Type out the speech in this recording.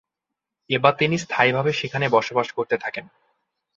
এবার তিনি স্থায়ীভাবে সেখানে বসবাস করতে থাকেন।